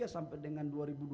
sampai dengan dua ribu dua puluh